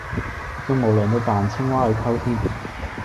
仲無良到扮青蛙去溝添!